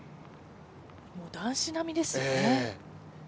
もう男子並みですよね。